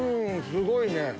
すごいね！